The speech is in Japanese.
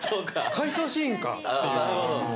回想シーンかっていう。